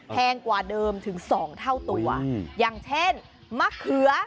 กว่าเดิมถึงสองเท่าตัวอย่างเช่นมะเขือ